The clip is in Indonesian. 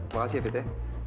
makasih ya fit ya